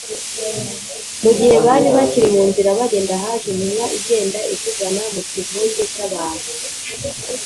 mu gihe bari bakiri mu nzira bagenda, haje intumwa igenda ibyigana mu kivunge cy’abantu